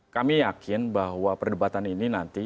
kami yakin bahwa perdebatan ini nanti